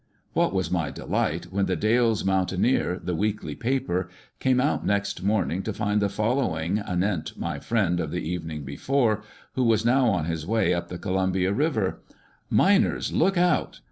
What was my delight when the Dalles Moun taineer, the weekly paper, came out next morning to find the following anent my friend of the evening before, who was now on his way up the Columbia River :" Miners look out